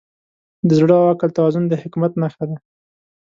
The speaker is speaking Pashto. د زړه او عقل توازن د حکمت نښه ده.